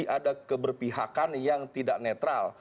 ada keberpihakan yang tidak netral